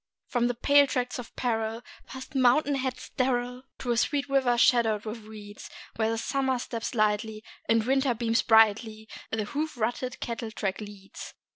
From the pale tracts of peril, past mountain heads sterile, To a sweet river shadowed with reeds, Where Summer steps lightly, and Winter beams brightly, The hoof rutted cattle track leads.